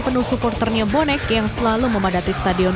penuh supporternya bonek yang selalu memadati stadion